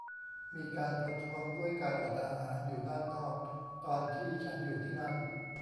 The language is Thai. มีการประท้วงด้วยการอดอาหารอยู่ด้านนอกตอนที่ฉันอยู่ที่นั่น